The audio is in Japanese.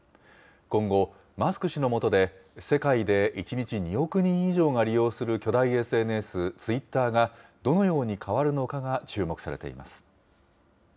今後、マスク氏のもとで世界で１日２億人以上が利用する巨大ＳＮＳ、ツイッターがどのように変わるのかが注目されています。